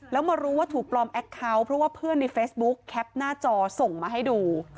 แล้วมารู้ว่าถูกปลอมแอคเคาน์เพราะว่าเพื่อนในเฟซบุ๊กแคปหน้าจอส่งมาให้ดู